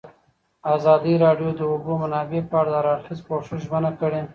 ازادي راډیو د د اوبو منابع په اړه د هر اړخیز پوښښ ژمنه کړې.